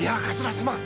すまん！